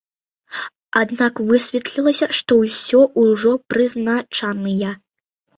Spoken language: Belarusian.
Аднак высветлілася, што ўсе ўжо прызначаныя!